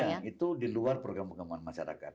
oh iya itu di luar program pengembangan masyarakat